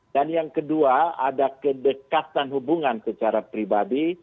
dan yang kedua ada kedekatan hubungan secara pribadi